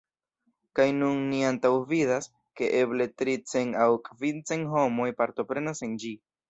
Kaj nun ni antaŭvidas, ke eble tricent aŭ kvincent homoj partoprenos en ĝi.